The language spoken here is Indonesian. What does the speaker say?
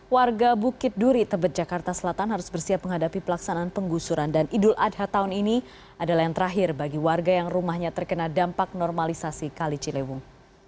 warga bukit duri tebet jakarta selatan harus bersiap menghadapi pelaksanaan penggusuran dan idul adha tahun ini adalah yang terakhir bagi warga yang rumahnya terkena dampak normalisasi kali ciliwung